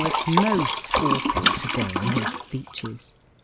was mo^ awful to day in his speeches.